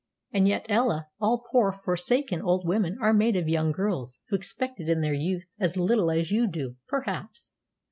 "And yet, Ella, all poor, forsaken old women are made of young girls, who expected it in their youth as little as you do, perhaps."